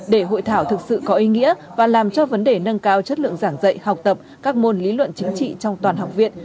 để hội thảo thực sự có ý nghĩa và làm cho vấn đề nâng cao chất lượng giảng dạy học tập các môn lý luận chính trị trong toàn học viện